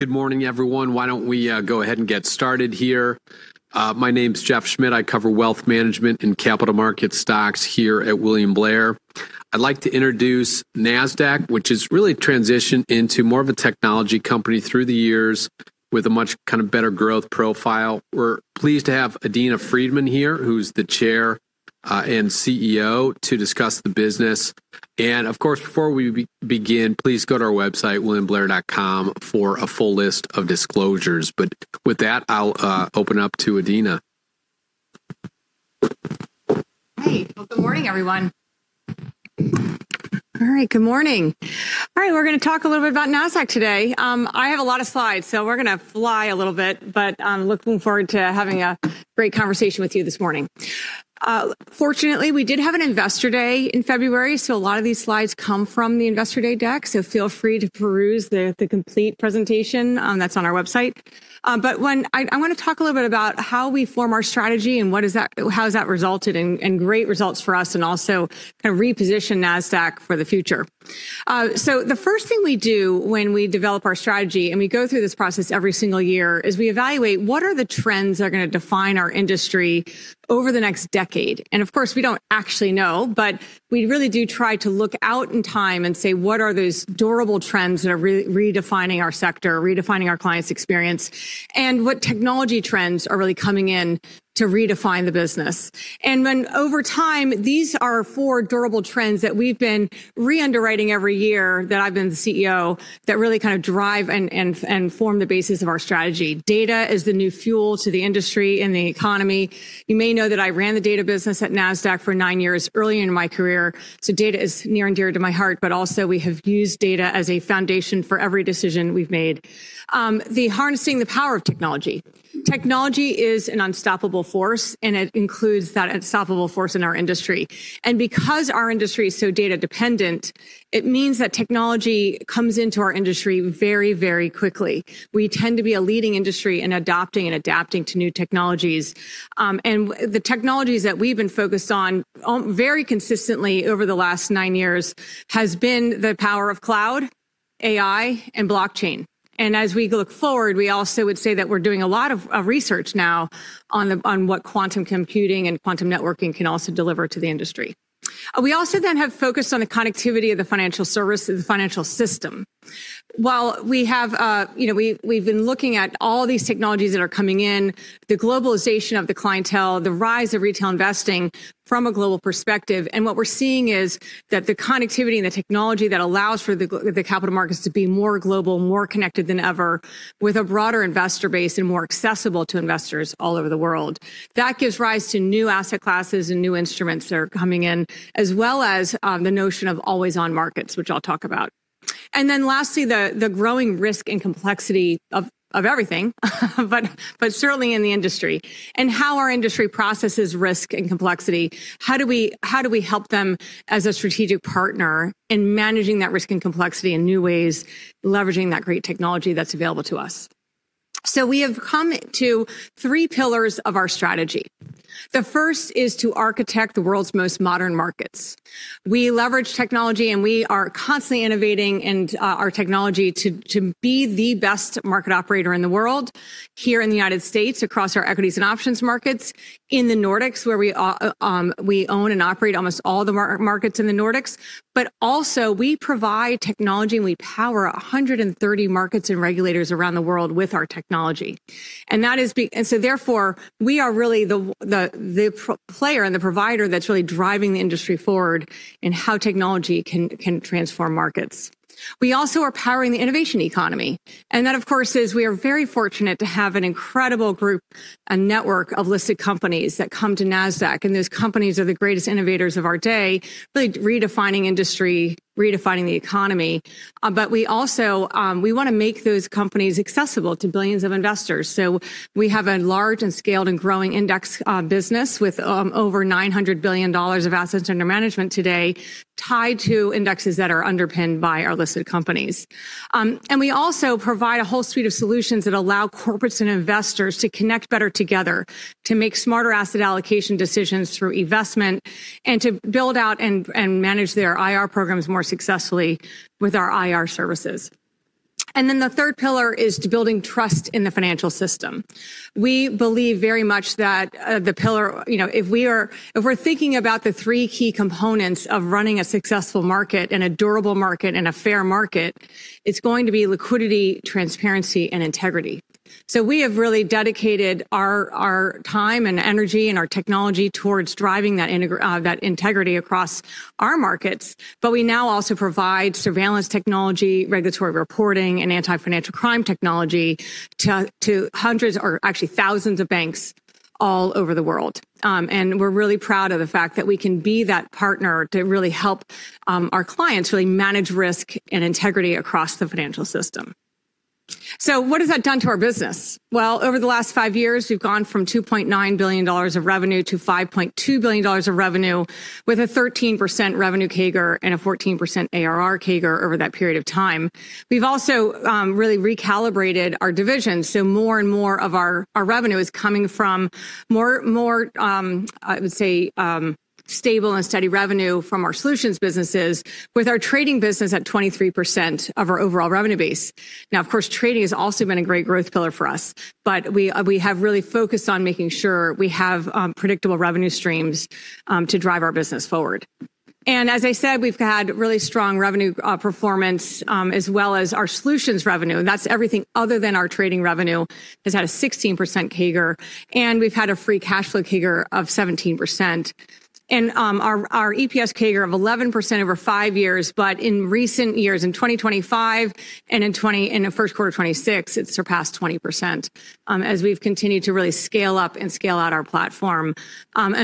Good morning, everyone. Why don't we go ahead and get started here? My name's Jeff Schmitt. I cover wealth management and capital market stocks here at William Blair. I'd like to introduce Nasdaq, which has really transitioned into more of a technology company through the years with a much kind of better growth profile. We're pleased to have Adena Friedman here, who's the Chair and CEO, to discuss the business. Of course, before we begin, please go to our website, williamblair.com, for a full list of disclosures. With that, I'll open up to Adena. Hey. Well, good morning, everyone. All right. Good morning. All right. We're going to talk a little bit about Nasdaq today. I have a lot of slides, so we're going to fly a little bit, but I'm looking forward to having a great conversation with you this morning. Fortunately, we did have an Investor Day in February, so a lot of these slides come from the investor day deck, so feel free to peruse the complete presentation. That's on our website. I want to talk a little bit about how we form our strategy and how has that resulted in great results for us, and also kind of reposition Nasdaq for the future. The first thing we do when we develop our strategy, and we go through this process every single year, is we evaluate what are the trends that are going to define our industry over the next decade. Of course, we don't actually know, but we really do try to look out in time and say, what are those durable trends that are redefining our sector, redefining our clients' experience, and what technology trends are really coming in to redefine the business. When, over time, these are four durable trends that we've been re-underwriting every year that I've been the CEO that really kind of drive and form the basis of our strategy. Data is the new fuel to the industry and the economy. You may know that I ran the data business at Nasdaq for nine years earlier in my career, so data is near and dear to my heart, but also, we have used data as a foundation for every decision we've made. The harnessing the power of technology. Technology is an unstoppable force, and it includes that unstoppable force in our industry. Because our industry is so data dependent, it means that technology comes into our industry very, very quickly. We tend to be a leading industry in adopting and adapting to new technologies. The technologies that we've been focused on very consistently over the last nine years has been the power of cloud, AI, and blockchain. As we look forward, we also would say that we're doing a lot of research now on what quantum computing and quantum networking can also deliver to the industry. We also then have focused on the connectivity of the financial system. While we've been looking at all these technologies that are coming in, the globalization of the clientele, the rise of retail investing from a global perspective, and what we're seeing is that the connectivity and the technology that allows for the capital markets to be more global, more connected than ever, with a broader investor base and more accessible to investors all over the world. That gives rise to new asset classes and new instruments that are coming in, as well as the notion of always-on markets, which I'll talk about. Lastly, the growing risk and complexity of everything but certainly in the industry, and how our industry processes risk and complexity. How do we help them as a strategic partner in managing that risk and complexity in new ways, leveraging that great technology that's available to us? We have come to three pillars of our strategy. The first is to architect the world's most modern markets. We leverage technology, and we are constantly innovating in our technology to be the best market operator in the world, here in the United States, across our equities and options markets, in the Nordics, where we own and operate almost all the markets in the Nordics. Also, we provide technology, and we power 130 markets and regulators around the world with our technology. Therefore, we are really the player and the provider that's really driving the industry forward in how technology can transform markets. We also are powering the innovation economy. That, of course, is we are very fortunate to have an incredible group, a network of listed companies that come to Nasdaq, and those companies are the greatest innovators of our day, really redefining industry, redefining the economy. We also want to make those companies accessible to billions of investors. We have a large and scaled and growing index business with over $900 billion of assets under management today tied to indexes that are underpinned by our listed companies. We also provide a whole suite of solutions that allow corporates and investors to connect better together, to make smarter asset allocation decisions through eVestment, and to build out and manage their IR programs more successfully with our IR services. The third pillar is to building trust in the financial system. We believe very much that if we're thinking about the three key components of running a successful market and a durable market and a fair market, it's going to be liquidity, transparency, and integrity. We have really dedicated our time and energy and our technology towards driving that integrity across our markets. We now also provide surveillance technology, regulatory reporting, and Anti-Financial Crime technology to hundreds or actually thousands of banks all over the world. We're really proud of the fact that we can be that partner to really help our clients really manage risk and integrity across the financial system. What has that done to our business? Well, over the last five years, we've gone from $2.9 billion of revenue to $5.2 billion of revenue with a 13% revenue CAGR and a 14% ARR CAGR over that period of time. We've also really recalibrated our divisions, more and more of our revenue is coming from more, I would say stable and steady revenue from our solutions businesses with our trading business at 23% of our overall revenue base. Of course, trading has also been a great growth pillar for us, we have really focused on making sure we have predictable revenue streams to drive our business forward. As I said, we've had really strong revenue performance, as well as our solutions revenue. That's everything other than our trading revenue, has had a 16% CAGR, we've had a free cash flow CAGR of 17%. Our EPS CAGR of 11% over five years. In recent years, in 2025 and in the first quarter of 2026, it surpassed 20%, as we've continued to really scale up and scale out our platform.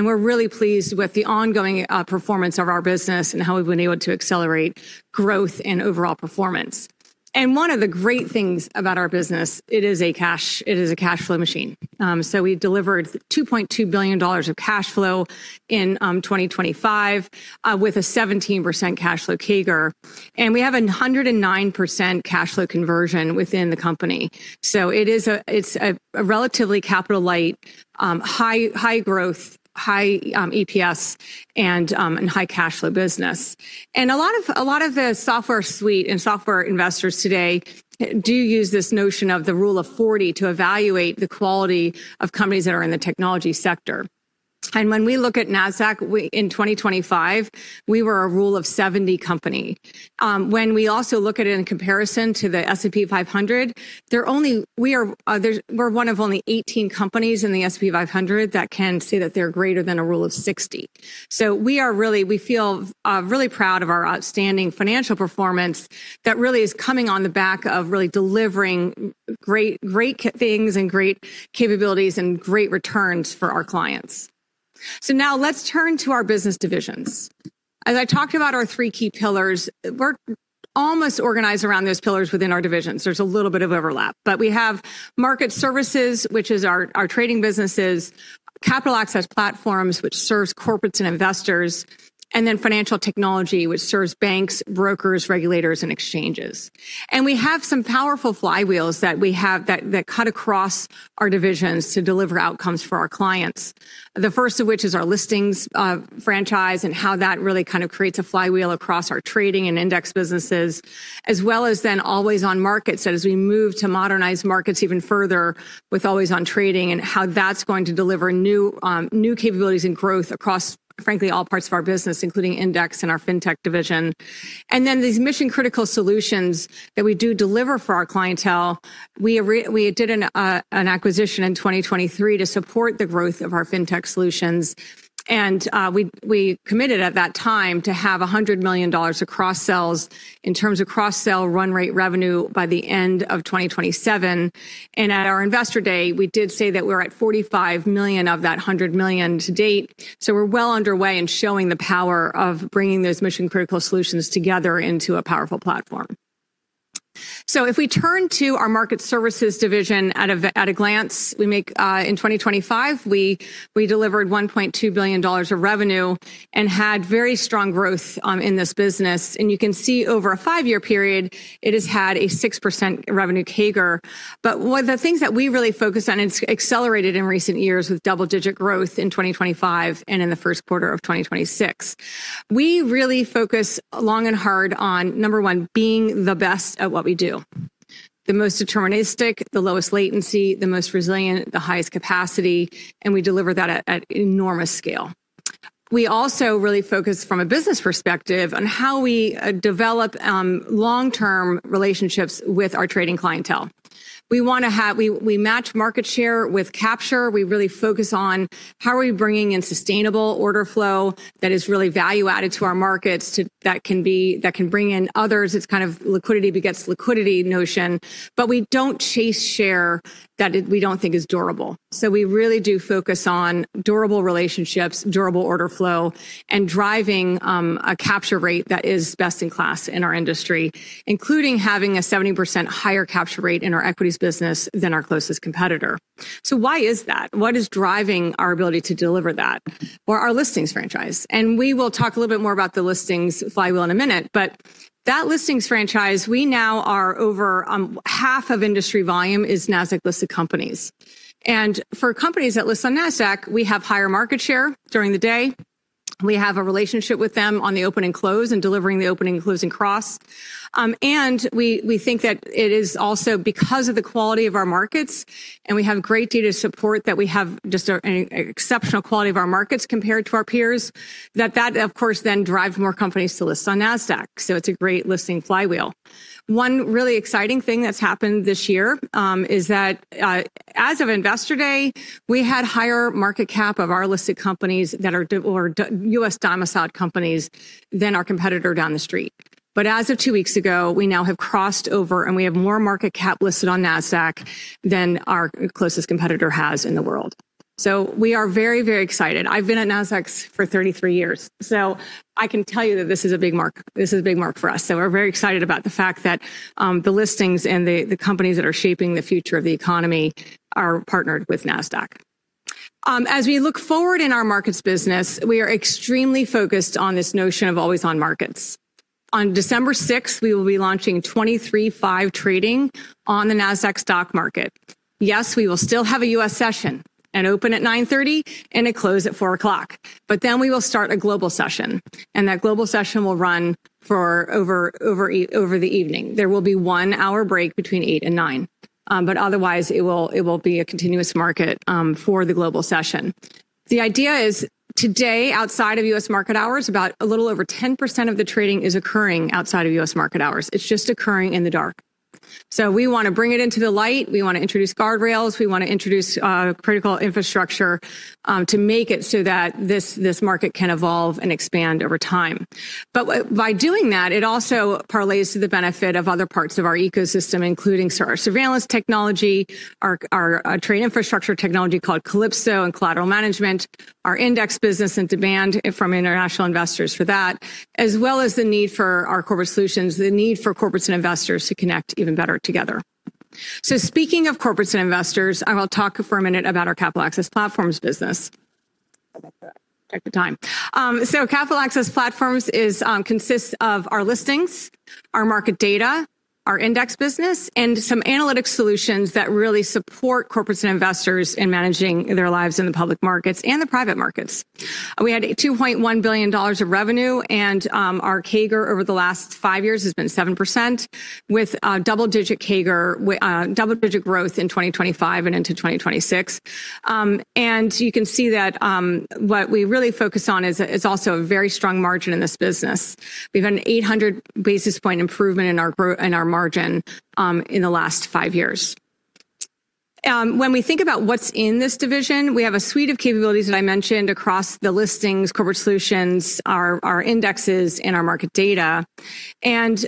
We're really pleased with the ongoing performance of our business and how we've been able to accelerate growth and overall performance. One of the great things about our business, it is a cash flow machine. We've delivered $2.2 billion of cash flow in 2025 with a 17% cash flow CAGR. We have a 109% cash flow conversion within the company. It's a relatively capital-light, high growth, high EPS, and high cash flow business. A lot of the software suite and software investors today do use this notion of the Rule of 40 to evaluate the quality of companies that are in the technology sector. When we look at Nasdaq, in 2025, we were a Rule of 70 company. When we also look at it in comparison to the S&P 500, we're one of only 18 companies in the S&P 500 that can say that they're greater than a Rule of 60. We feel really proud of our outstanding financial performance that really is coming on the back of really delivering great things and great capabilities and great returns for our clients. Now let's turn to our business divisions. As I talked about our three key pillars, we're almost organized around those pillars within our divisions. There's a little bit of overlap. We have Market Services, which is our trading businesses, Capital Access Platforms, which serves corporates and investors, and then Financial Technology, which serves banks, brokers, regulators, and exchanges. We have some powerful flywheels that cut across our divisions to deliver outcomes for our clients. The first of which is our listings franchise and how that really kind of creates a flywheel across our trading and index businesses, as well as then always-on markets as we move to modernize markets even further with always-on trading, and how that's going to deliver new capabilities and growth across, frankly, all parts of our business, including index and our FinTech division. Then these mission-critical solutions that we do deliver for our clientele. We did an acquisition in 2023 to support the growth of our FinTech solutions. We committed at that time to have $100 million of cross-sells in terms of cross-sell run rate revenue by the end of 2027. At our investor day, we did say that we're at $45 million of that $100 million to date. We're well underway and showing the power of bringing those mission-critical solutions together into a powerful platform. If we turn to our Market Services division at a glance, in 2025, we delivered $1.2 billion of revenue and had very strong growth in this business. You can see over a five-year period, it has had a 6% revenue CAGR. One of the things that we really focused on and accelerated in recent years with double-digit growth in 2025 and in the first quarter of 2026, we really focus long and hard on, number one, being the best at what we do, the most deterministic, the lowest latency, the most resilient, the highest capacity, and we deliver that at enormous scale. We also really focus from a business perspective on how we develop long-term relationships with our trading clientele. We match market share with capture. We really focus on how are we bringing in sustainable order flow that is really value-added to our markets, that can bring in others. It's kind of liquidity begets liquidity notion. We don't chase share that we don't think is durable. We really do focus on durable relationships, durable order flow, and driving a capture rate that is best in class in our industry, including having a 70% higher capture rate in our equities business than our closest competitor. Why is that? What is driving our ability to deliver that? Our listings franchise, and we will talk a little bit more about the listings flywheel in a minute. That listings franchise, we now are over half of industry volume is Nasdaq-listed companies. For companies that list on Nasdaq, we have higher market share during the day. We have a relationship with them on the open and close and delivering the open and closing cross. We think that it is also because of the quality of our markets, and we have great data support that we have just an exceptional quality of our markets compared to our peers, that that, of course, then drives more companies to list on Nasdaq. It's a great listing flywheel. One really exciting thing that's happened this year, is that, as of Investor Day, we had higher market cap of our listed companies that are U.S.-domiciled companies than our competitor down the street. As of two weeks ago, we now have crossed over, and we have more market cap listed on Nasdaq than our closest competitor has in the world. We are very excited. I've been at Nasdaq for 33 years, I can tell you that this is a big mark for us. We're very excited about the fact that the listings and the companies that are shaping the future of the economy are partnered with Nasdaq. As we look forward in our markets business, we are extremely focused on this notion of always-on markets. On December 6th, we will be launching 23/5 trading on the Nasdaq Stock Market. Yes, we will still have a U.S. session and open at 9:30 A.M, and it close at 4:00 P.M. We will start a global session, and that global session will run over the evening. There will be one hour break between 9:00 and 10:00. Otherwise, it will be a continuous market for the global session. The idea is today, outside of U.S. market hours, about a little over 10% of the trading is occurring outside of U.S. market hours. It's just occurring in the dark. We want to bring it into the light. We want to introduce guardrails. We want to introduce critical infrastructure to make it so that this market can evolve and expand over time. By doing that, it also parlays to the benefit of other parts of our ecosystem, including our surveillance technology, our trade infrastructure technology called Calypso and collateral management, our index business and demand from international investors for that, as well as the need for our corporate solutions, the need for corporates and investors to connect even better together. Speaking of corporates and investors, I will talk for a minute about our Capital Access Platforms business. Check the time. Capital Access Platforms consists of our listings, our market data, our index business, and some analytic solutions that really support corporates and investors in managing their lives in the public markets and the private markets. We had $2.1 billion of revenue, and our CAGR over the last five years has been 7%, with double-digit growth in 2025 and into 2026. You can see that what we really focus on is also a very strong margin in this business. We've had an 800-basis point improvement in our margin in the last five years. When we think about what's in this division, we have a suite of capabilities that I mentioned across the listings, corporate solutions, our indexes, and our market data.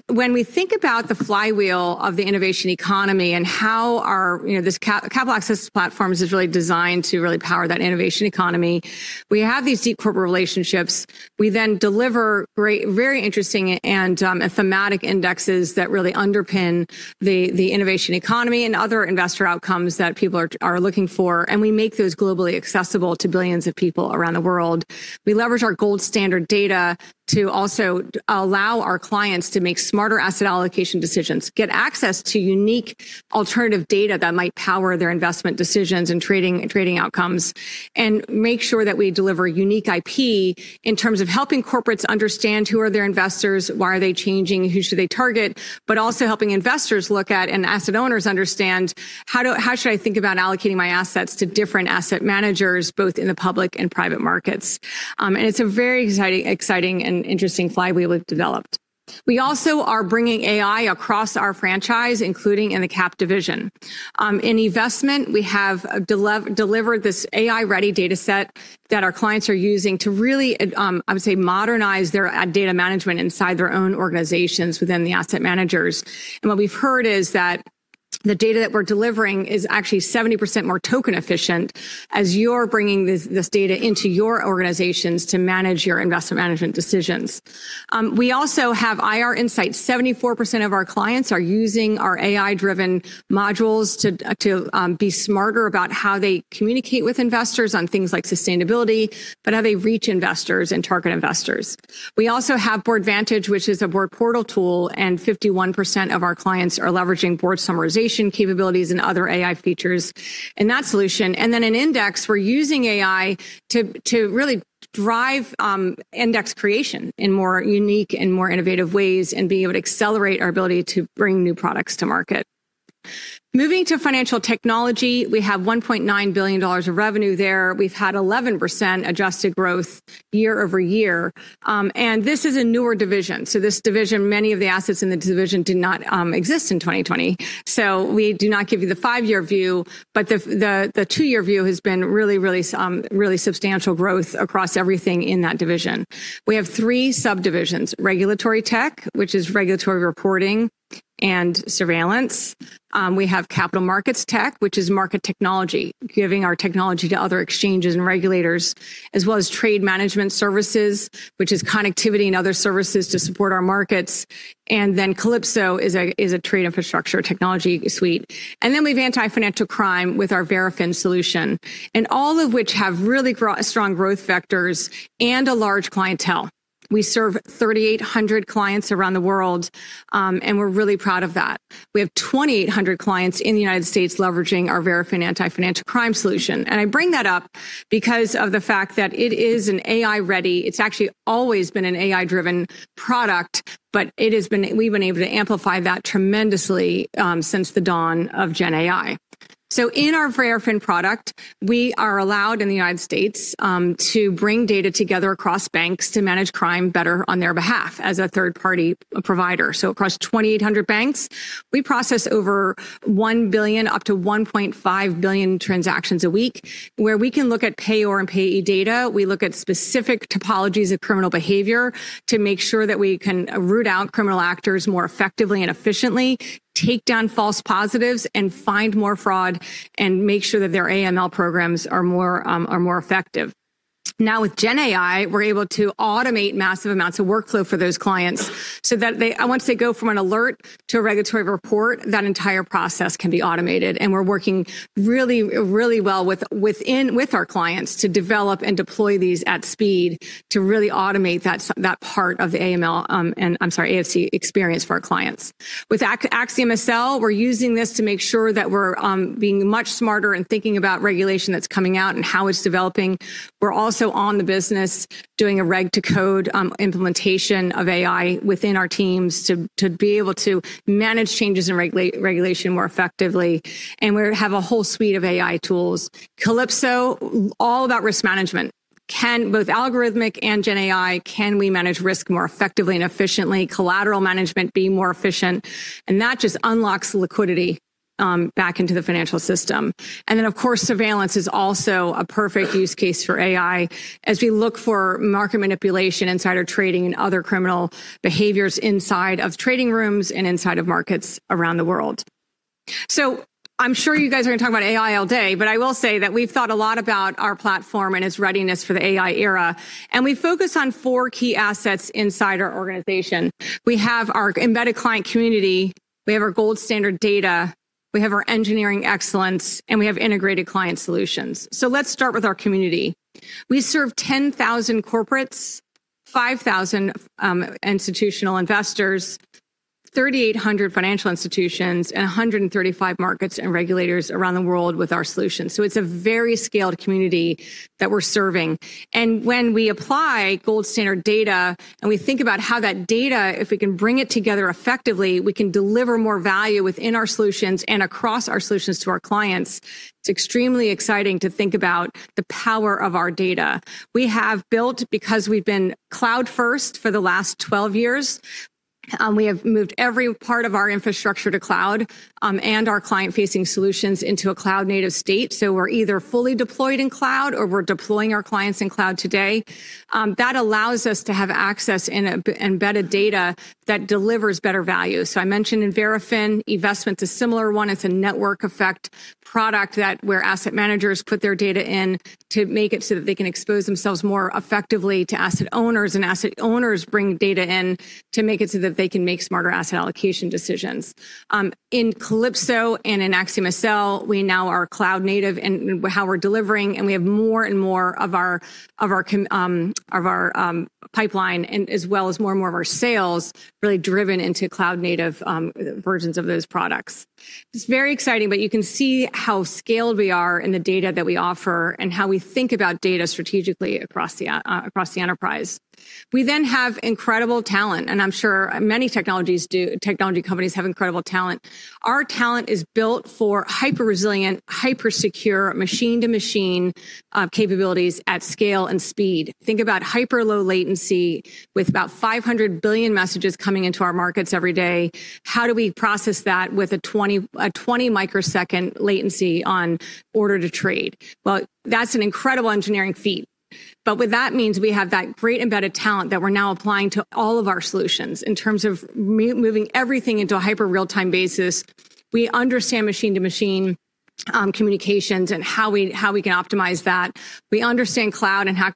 When we think about the flywheel of the innovation economy and how this Capital Access Platforms is really designed to really power that innovation economy, we have these deep corporate relationships. We then deliver very interesting and thematic indexes that really underpin the innovation economy and other investor outcomes that people are looking for, and we make those globally accessible to billions of people around the world. We leverage our gold standard data to also allow our clients to make smarter asset allocation decisions, get access to unique alternative data that might power their investment decisions and trading outcomes, and make sure that we deliver unique IP in terms of helping corporates understand who are their investors, why are they changing, who should they target, but also helping investors look at, and asset owners understand, how should I think about allocating my assets to different asset managers, both in the public and private markets. It's a very exciting and interesting flywheel we've developed. We also are bringing AI across our franchise, including in the CAP division. In eVestment, we have delivered this AI-ready data set that our clients are using to really, I would say, modernize their data management inside their own organizations, within the asset managers. What we've heard is that the data that we're delivering is actually 70% more token-efficient as you're bringing this data into your organizations to manage your investment management decisions. We also have IR Insight. 74% of our clients are using our AI-driven modules to be smarter about how they communicate with investors on things like sustainability, but how they reach investors and target investors. We also have Boardvantage, which is a board portal tool, and 51% of our clients are leveraging board summarization capabilities and other AI features in that solution. In Index, we're using AI to really drive index creation in more unique and more innovative ways and be able to accelerate our ability to bring new products to market. Moving to Financial Technology, we have $1.9 billion of revenue there. We've had 11% adjusted growth year-over-year. This is a newer division. This division, many of the assets in the division did not exist in 2020. We do not give you the five-year view, but the two-year view has been really substantial growth across everything in that division. We have three subdivisions: Regulatory Tech, which is regulatory reporting and surveillance. We have Capital Markets Tech, which is market technology, giving our technology to other exchanges and regulators, as well as Trade Management Services, which is connectivity and other services to support our markets. Calypso is a trade infrastructure technology suite. We have Anti-Financial Crime with our Verafin solution, and all of which have really strong growth vectors and a large clientele. We serve 3,800 clients around the world, and we're really proud of that. We have 2,800 clients in the United States leveraging our Verafin Anti-Financial Crime solution. I bring that up because of the fact that it is an AI-driven product, but we've been able to amplify that tremendously since the dawn of GenAI. In our Verafin product, we are allowed in the United States to bring data together across banks to manage crime better on their behalf as a third-party provider. Across 2,800 banks, we process over 1 billion, up to 1.5 billion transactions a week, where we can look at payor and payee data. We look at specific typologies of criminal behavior to make sure that we can root out criminal actors more effectively and efficiently, take down false positives, and find more fraud, and make sure that their AML programs are more effective. With GenAI, we're able to automate massive amounts of workflow for those clients so that once they go from an alert to a regulatory report, that entire process can be automated. We're working really well with our clients to develop and deploy these at speed to really automate that part of the AML, and I'm sorry, AFC experience for our clients. With AxiomSL, we're using this to make sure that we're being much smarter in thinking about regulation that's coming out and how it's developing. We're also on the business doing a reg-to-code implementation of AI within our teams to be able to manage changes in regulation more effectively. We have a whole suite of AI tools. Calypso, all about risk management. Both algorithmic and GenAI, can we manage risk more effectively and efficiently, collateral management be more efficient? That just unlocks liquidity back into the financial system. Of course, surveillance is also a perfect use case for AI as we look for market manipulation, insider trading, and other criminal behaviors inside of trading rooms and inside of markets around the world. I'm sure you guys are going to talk about AI all day, but I will say that we've thought a lot about our platform and its readiness for the AI era. We focus on four key assets inside our organization. We have our embedded client community, we have our gold standard data, we have our engineering excellence, and we have integrated client solutions. Let's start with our community. We serve 10,000 corporates, 5,000 institutional investors, 3,800 financial institutions, and 135 markets and regulators around the world with our solutions. It's a very scaled community that we're serving. When we apply gold standard data and we think about how that data, if we can bring it together effectively, we can deliver more value within our solutions and across our solutions to our clients. It's extremely exciting to think about the power of our data. We have built, because we've been cloud-first for the last 12 years, we have moved every part of our infrastructure to cloud, and our client-facing solutions into a cloud-native state. We're either fully deployed in cloud or we're deploying our clients in cloud today. That allows us to have access and embedded data that delivers better value. I mentioned Verafin eVestment is a similar one. It's a network effect product where asset managers put their data in to make it so that they can expose themselves more effectively to asset owners, and asset owners bring data in to make it so that they can make smarter asset allocation decisions. In Calypso and in AxiomSL, we now are cloud native in how we're delivering, and we have more and more of our pipeline, as well as more and more of our sales really driven into cloud-native versions of those products. It's very exciting, you can see how scaled we are in the data that we offer and how we think about data strategically across the enterprise. We have incredible talent, and I'm sure many technology companies have incredible talent. Our talent is built for hyper-resilient, hyper-secure, machine-to-machine capabilities at scale and speed. Think about hyper-low latency with about 500 billion messages coming into our markets every day. How do we process that with a 20-microsecond latency on order to trade? Well, that's an incredible engineering feat. What that means, we have that great embedded talent that we're now applying to all of our solutions in terms of moving everything into a hyper real-time basis. We understand machine-to-machine communications and how we can optimize that. We understand cloud and how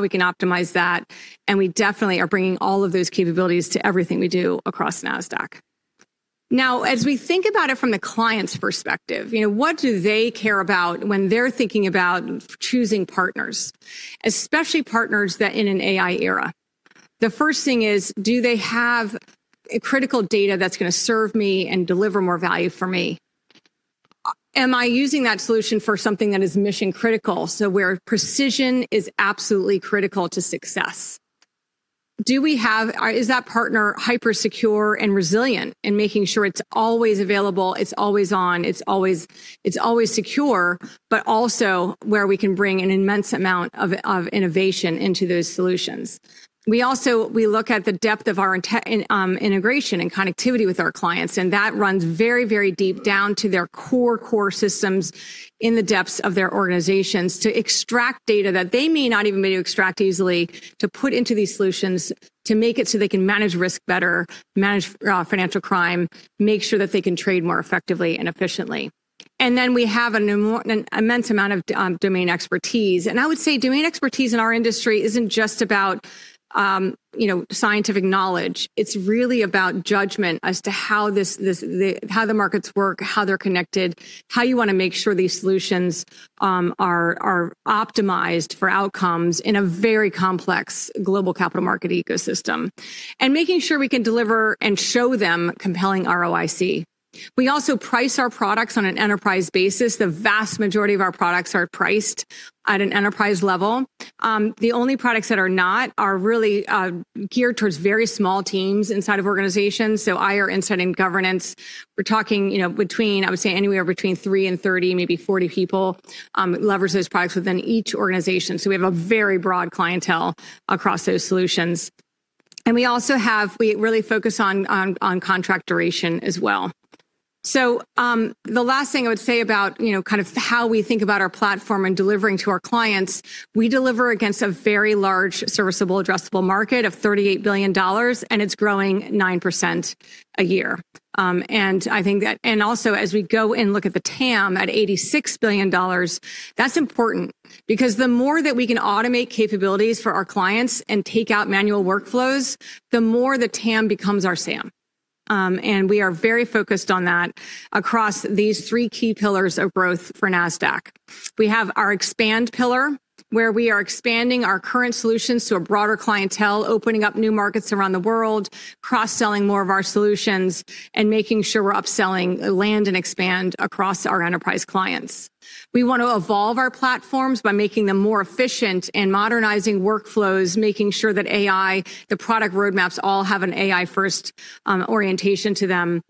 we can optimize that, and we definitely are bringing all of those capabilities to everything we do across Nasdaq. As we think about it from the client's perspective, what do they care about when they're thinking about choosing partners, especially partners that in an AI era? The first thing is, do they have critical data that's going to serve me and deliver more value for me? Am I using that solution for something that is mission-critical, so where precision is absolutely critical to success? Is that partner hyper-secure and resilient in making sure it's always available, it's always on, it's always secure, but also where we can bring an immense amount of innovation into those solutions? We look at the depth of our integration and connectivity with our clients, and that runs very, very deep down to their core systems in the depths of their organizations to extract data that they may not even be able to extract easily to put into these solutions to make it so they can manage risk better, manage financial crime, make sure that they can trade more effectively and efficiently. Then we have an immense amount of domain expertise. I would say domain expertise in our industry isn't just about scientific knowledge. It's really about judgment as to how the markets work, how they're connected, how you want to make sure these solutions are optimized for outcomes in a very complex global capital market ecosystem, and making sure we can deliver and show them compelling ROIC. We also price our products on an enterprise basis. The vast majority of our products are priced at an enterprise level. The only products that are not are really geared towards very small teams inside of organizations. Nasdaq IR Insight and Nasdaq Boardvantage, we're talking between, I would say, anywhere between three and 30, maybe 40 people, leverage those products within each organization. We have a very broad clientele across those solutions. We really focus on contract duration as well. The last thing I would say about how we think about our platform and delivering to our clients, we deliver against a very large serviceable addressable market of $38 billion, and it's growing 9% a year. Also as we go and look at the TAM at $86 billion, that's important because the more that we can automate capabilities for our clients and take out manual workflows, the more the TAM becomes our SAM. We are very focused on that across these three key pillars of growth for Nasdaq. We have our expand pillar, where we are expanding our current solutions to a broader clientele, opening up new markets around the world, cross-selling more of our solutions, and making sure we're upselling land and expand across our enterprise clients. We want to evolve our platforms by making them more efficient and modernizing workflows, making sure that AI, the product roadmaps all have an AI-first orientation to them.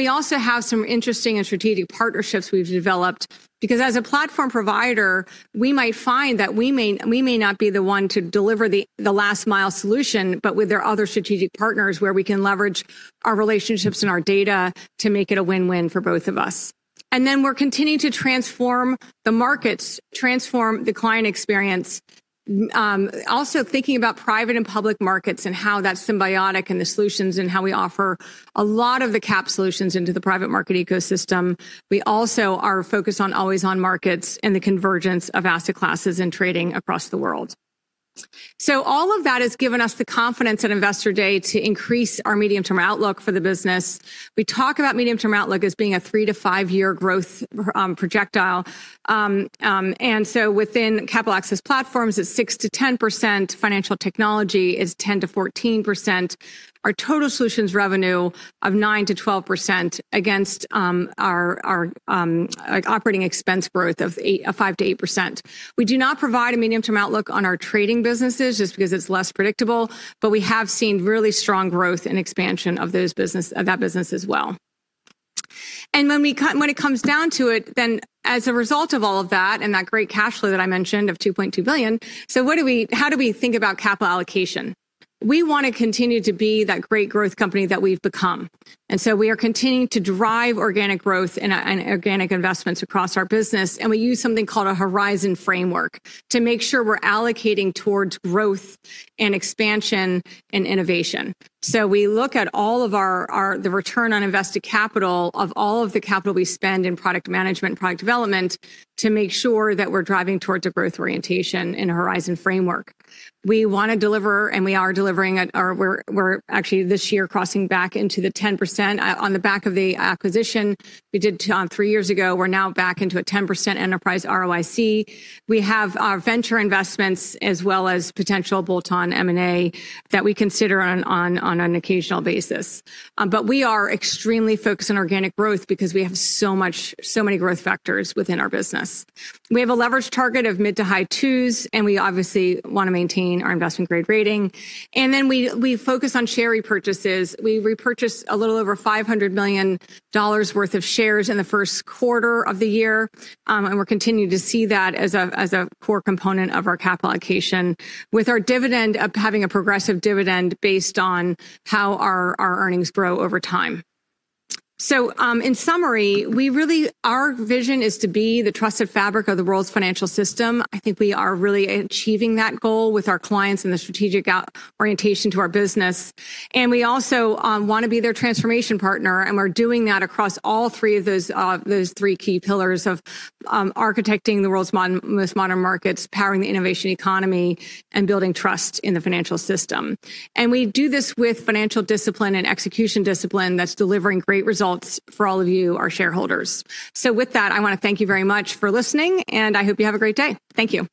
We also have some interesting and strategic partnerships we've developed, because as a platform provider, we might find that we may not be the one to deliver the last-mile solution, but with their other strategic partners where we can leverage our relationships and our data to make it a win-win for both of us. Then we're continuing to transform the markets, transform the client experience. Also thinking about private and public markets and how that's symbiotic and the solutions and how we offer a lot of the CAP solutions into the private market ecosystem. We also are focused on always-on markets and the convergence of asset classes and trading across the world. All of that has given us the confidence at Investor Day to increase our medium-term outlook for the business. We talk about medium-term outlook as being a three to five-year growth projectile. Within Capital Access Platforms, it's 6%-10%. Financial Technology is 10%-14%. Our total solutions revenue of 9%-12% against our operating expense growth of 5%-8%. We do not provide a medium-term outlook on our trading businesses just because it's less predictable, but we have seen really strong growth and expansion of that business as well. When it comes down to it, as a result of all of that and that great cash flow that I mentioned of $2.2 billion, how do we think about capital allocation? We want to continue to be that great growth company that we've become. We are continuing to drive organic growth and organic investments across our business, and we use something called a Horizon Framework to make sure we're allocating towards growth and expansion and innovation. We look at the return on invested capital of all of the capital we spend in product management and product development to make sure that we're driving towards a growth orientation in a Horizon Framework. We want to deliver, and we are delivering. We're actually this year crossing back into the 10%. On the back of the acquisition we did three years ago, we're now back into a 10% enterprise ROIC. We have our venture investments as well as potential bolt-on M&A that we consider on an occasional basis. We are extremely focused on organic growth because we have so many growth factors within our business. We have a leverage target of mid to high twos, and we obviously want to maintain our investment-grade rating. We focus on share repurchases. We repurchased a little over $500 million worth of shares in the first quarter of the year, and we're continuing to see that as a core component of our capital allocation with our dividend, having a progressive dividend based on how our earnings grow over time. In summary, our vision is to be the trusted fabric of the world's financial system. I think we are really achieving that goal with our clients and the strategic orientation to our business. We also want to be their transformation partner, and we're doing that across all three of those three key pillars of architecting the world's most modern markets, powering the innovation economy, and building trust in the financial system. We do this with financial discipline and execution discipline that's delivering great results for all of you, our shareholders. With that, I want to thank you very much for listening, and I hope you have a great day. Thank you.